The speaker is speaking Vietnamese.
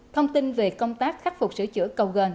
thông tin về công tác khắc phục sửa chữa cầu gần